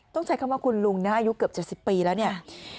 ต้องใช้คำว่าคุณลุงนะฮะอายุเกือบ๗๐ปีแล้วเนี่ย